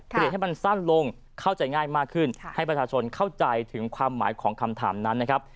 เปลี่ยนให้มันสั้นลงเข้าใจง่ายมากขึ้นให้ประชาชนเข้าใจถึงความหมายของคำถามนั้นนะครับ